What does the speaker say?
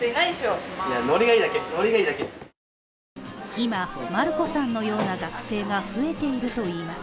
今、マルコさんのような学生が増えているといいます。